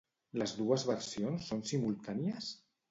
Les dues versions són simultànies?